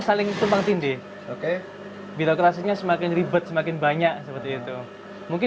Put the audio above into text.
kalau seandainya disini